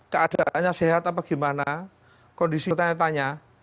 keadaannya sehat apa gimana kondisi tanya tanya